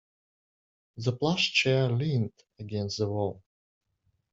The plush chair leaned against the wall.